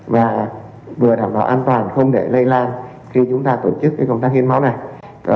và vừa đảm bảo an toàn không để lây lan khi chúng ta tổ chức công tác hiến máu này